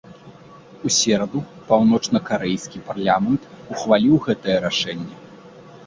У сераду, паўночнакарэйскі парламент ухваліў гэтае рашэнне.